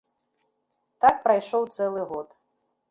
Так прайшоў цэлы год.